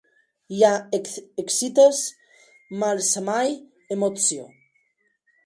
Ja ekzistas malsamaj emocioj.